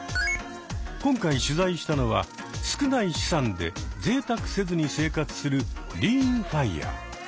今回取材したのは少ない資産でぜいたくせずに生活する「リーンＦＩＲＥ」。